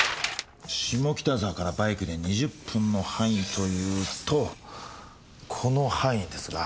下北沢からバイクで２０分の範囲というとこの範囲ですが。